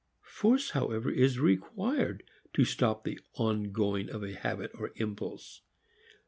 Force, however, is required to stop the ongoing of a habit or impulse.